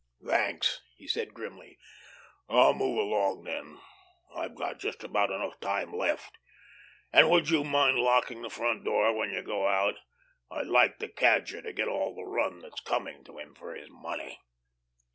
"Thanks!" he said grimly. "I'll move along then; I've got just about enough time left. And would you mind locking the front door when you go out? I'd like the Cadger to get all the run that's coming to him for his money."